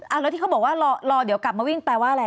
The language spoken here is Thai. แล้วที่เขาบอกว่ารอเดี๋ยวกลับมาวิ่งแปลว่าอะไร